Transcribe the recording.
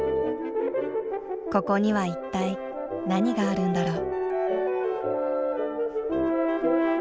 ここには一体何があるんだろう？